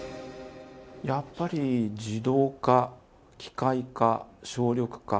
やっぱり自動化、機械化、省力化。